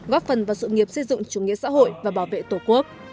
góp phần vào sự nghiệp xây dựng chủ nghĩa xã hội và bảo vệ tổ quốc